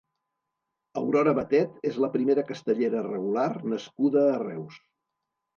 Aurora Batet és la primera castellera regular nascuda a Reus.